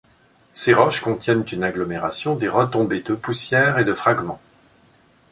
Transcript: Ces roches contiennent une agglomération des retombés de poussières et de fragments.